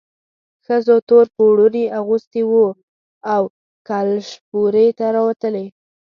ښځو تور پوړوني اغوستي وو او کلشپورې ته راتلې.